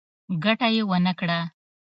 ګټه یې ونه کړه.